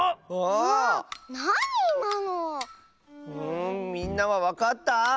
んみんなはわかった？